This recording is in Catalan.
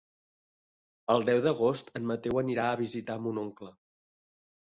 El deu d'agost en Mateu anirà a visitar mon oncle.